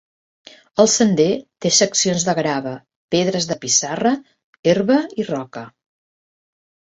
El sender té seccions de grava, pedres de pissarra, herba i Roca.